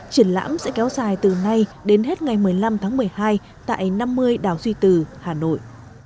triển lãm sẽ kéo dài từ nay đến hết ngày một mươi năm tháng một mươi hai tại năm mươi đảo duy từ hà nội